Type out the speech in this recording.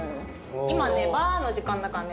今ねバーの時間だからね